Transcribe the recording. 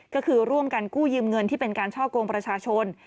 ก็คือร่วมกันกู้ยืมเงินที่เป็นการช่อกงประชาชน